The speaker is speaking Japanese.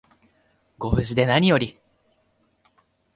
ご無事でなにより